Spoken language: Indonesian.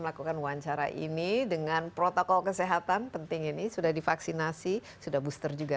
melakukan wawancara ini dengan protokol kesehatan penting ini sudah divaksinasi sudah booster juga